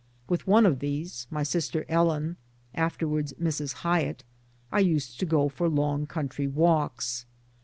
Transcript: With one of these my sister Ellen, afterwards Mrs. Hyett I used to go long country walks.